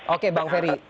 oke bank feri